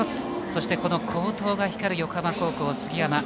そして好投が光る横浜高校、杉山。